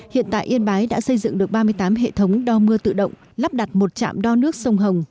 hiện tại yên bái đã xây dựng được ba mươi tám hệ thống đo mưa tự động lắp đặt một trạm đo nước sông hồng